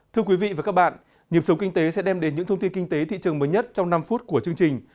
thưa quý vị và các bạn nhịp sống kinh tế sẽ đem đến những thông tin kinh tế thị trường mới nhất trong năm phút của chương trình